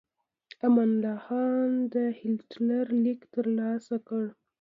امان الله خان د هیټلر لیک ترلاسه کړ.